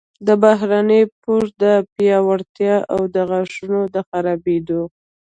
د بهرني پوښ د پیاوړتیا او د غاښونو د خرابیدو